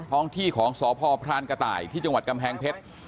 ท้องที่ของสพพรานกระต่ายที่จังหวัดกำแพงเพชร